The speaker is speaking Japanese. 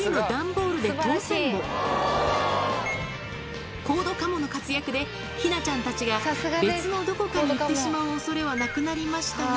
コード・カモの活躍でひなちゃんたちが、別のどこかに行ってしまうおそれはなくなりましたが。